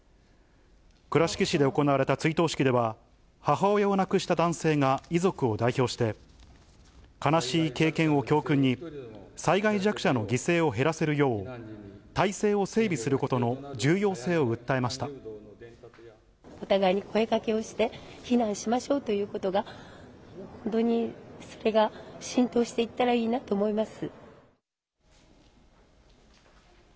倉敷市で行われた追悼式では、母親を亡くした男性が遺族を代表して、悲しい経験を教訓に、災害弱者の犠牲を減らせるよう、体制を整備することの重要性を訴お互いに声かけをして、避難しましょうということが本当にそれが浸透していったらいいなと思います。